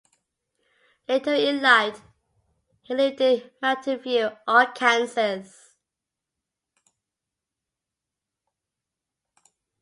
Later in life, he lived in Mountain View, Arkansas.